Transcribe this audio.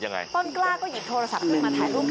ต้นกล้าก็หยิบโทรศัพท์ขึ้นมาถ่ายรูป